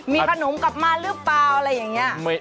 มีขนมกลับมาหรือเปล่าอะไรอย่างนี้